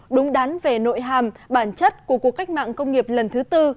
đúng đán về nội hàm bản chất của cuộc cách mạng công nghiệp lần thứ tư